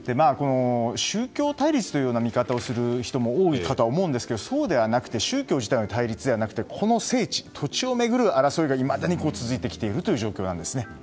宗教対立という見方をする人も多いかと思うんですけど思うんですがそうではなくて宗教自体の対立ではなくてこの聖地、土地を巡る争いがいまだに続いてきている状況なんですね。